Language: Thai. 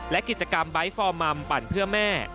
และกิจกรรมไบท์ฟอร์มัมปั่นเพื่อแม่